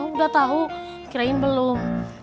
udah tau kirain belum